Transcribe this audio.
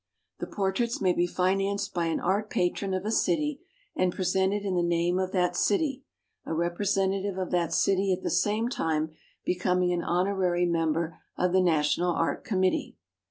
The portraits may be financed by an art patron of a city and presented in the name of that city, a representative of that city at the same time becoming an honorary mem ber of the National Art Committee.